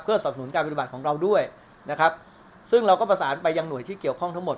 สนับสนุนการปฏิบัติของเราด้วยนะครับซึ่งเราก็ประสานไปยังหน่วยที่เกี่ยวข้องทั้งหมด